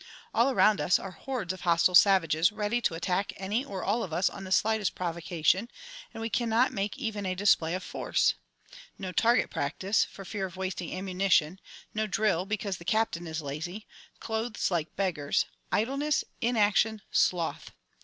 All around us are hordes of hostile savages, ready to attack any or all of us on the slightest provocation, and we cannot make even a display of force! No target practice, for fear of wasting ammunition; no drill, because the Captain is lazy; clothes like beggars idleness, inaction, sloth!